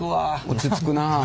落ち着くなあ。